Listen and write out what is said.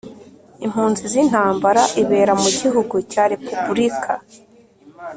impunzi z’intambara ibera mu gihugu cya repubublika